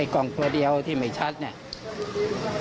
กล่องตัวเดียวที่ไม่ชัดเนี่ย